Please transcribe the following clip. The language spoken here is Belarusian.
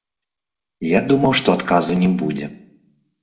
Я думаю, што адказу не будзе.